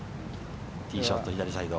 ティーショットは左サイド。